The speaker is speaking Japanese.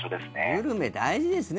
グルメ、大事ですね。